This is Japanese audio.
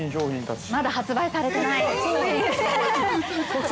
まだ発売されてないです。